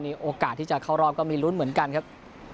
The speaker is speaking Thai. โอกาสที่จะเข้ารอบก็มีลุ้นเหมือนกันครับ